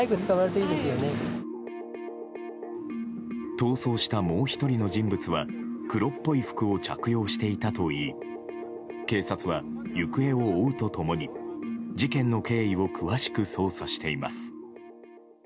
逃走したもう１人の人物は黒っぽい服を着用していたといい警察は行方を追うと共に、事件の経緯を詳しく捜査しています。